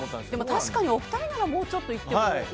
確かにお二人ならもうちょっといっても。